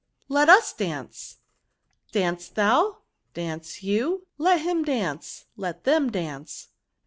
Let us dance. Dance thou. Dance you. Let him dance. Let them dance."